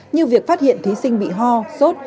như việc phát hiện thí sinh bị ho sốt